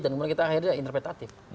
dan kita akhirnya interpretatif